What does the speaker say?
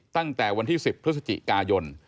ตั้งแต่วันที่๑๐พฤศจิกายน